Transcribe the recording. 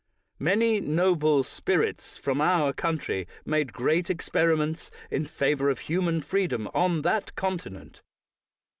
Many noble spirits from our country made great ex periments in favor of human freedom on that continent.